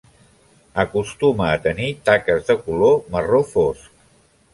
Acostuma a tenir taques de color marró fosc.